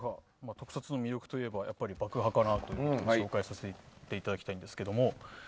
特撮の魅力といえば爆破かなということで紹介させていただきます。